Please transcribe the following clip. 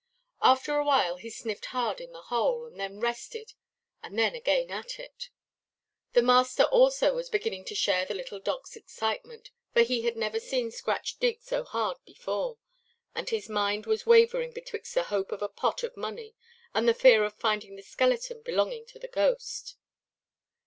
After a while he sniffed hard in the hole, and then rested, and then again at it. The master also was beginning to share the little dogʼs excitement, for he had never seen Scratch dig so hard before, and his mind was wavering betwixt the hope of a pot of money, and the fear of finding the skeleton belonging to the ghost.